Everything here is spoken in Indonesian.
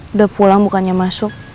udah pulang bukannya masuk